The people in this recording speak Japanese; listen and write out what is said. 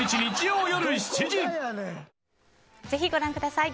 ぜひご覧ください。